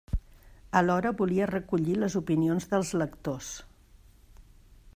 Alhora volia recollir les opinions dels lectors.